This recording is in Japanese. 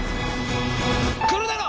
くるだろ！